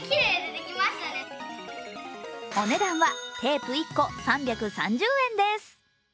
お値段はテープ１個３３０円です。